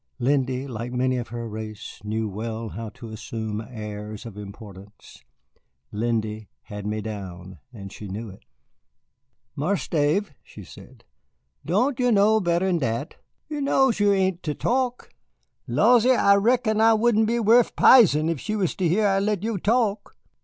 Lindy, like many of her race, knew well how to assume airs of importance. Lindy had me down, and she knew it. "Marse Dave," she said, "doan yo' know better'n dat? Yo' know yo' ain't ter talk. Lawsy, I reckon I wouldn't be wuth pizen if she was to hear I let yo' talk."